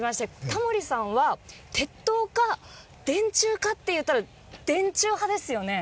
タモリさんは鉄塔か電柱かっていったら電柱派ですよね？